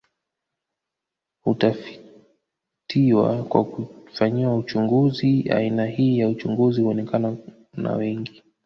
Hutafitiwa kwa kufanyiwa uchunguzi aina hii ya uchunguzi huonekana na wengi